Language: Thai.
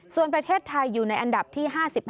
ส่วนประเทศไทยอยู่ในอันดับที่๕๕